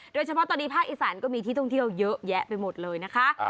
โดยเฉพาะตอนนี้ภาคอีสานก็มีที่ท่องเที่ยวเยอะแยะไปหมดเลยนะคะ